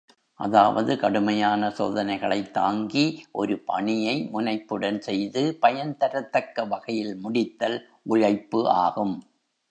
அதாவது கடுமையான சோதனைகளைத் தாங்கி ஒரு பணியை முனைப்புடன் செய்து பயன் தரத்தக்க வகையில் முடித்தல் உழைப்பு ஆகும்.